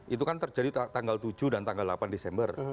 itu kan terjadi tanggal tujuh dan tanggal delapan desember